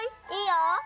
いいよ！